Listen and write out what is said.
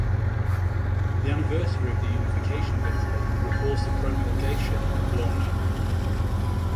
The anniversary of the unification of Italy recalls the promulgation of law no.